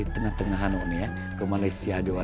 tengah tengahnya ke malaysia jawa